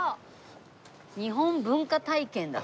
「日本文化体験」だって。